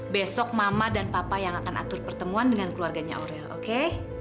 besok mama dan papa yang akan atur pertemuan dengan keluarganya orel oke